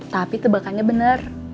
tapi tebakannya bener